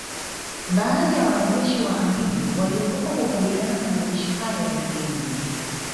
Baadhi wa wanajeshi wa Amin waliogopa kukabiliana na majeshi hayo ya kigeni